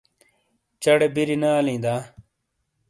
چا ڑے بیری نے آلیں دا؟